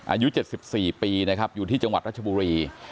อายุ๗๔ปีนะครับอยู่ที่จังหวัดรัชบุรี